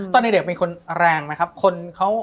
มันทำให้ชีวิตผู้มันไปไม่รอด